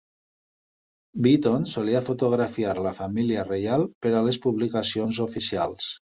Beaton solia fotografiar a la família reial per a les publicacions oficials.